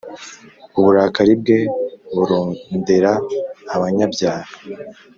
uburakari bwe burondera abanyabyaha